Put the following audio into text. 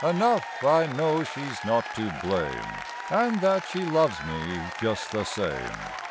Enough, I know she's not to blame. And that she loves me just the same."